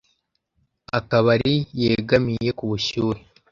Akabari yegamiye ku bushyuhe